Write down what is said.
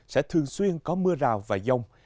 sẽ thường xuyên có mưa rào và giông